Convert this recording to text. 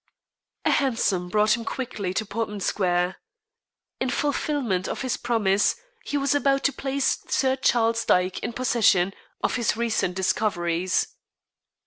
A hansom brought him quickly to Portman Square. In fulfilment of his promise, he was about to place Sir Charles Dyke in possession of his recent discoveries.